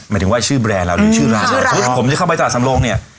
หมายถึงว่าชื่อแบรนด์เราหรือชื่อร้านเราชื่อร้านผมจะเข้าไปสระสำโลงเนี้ย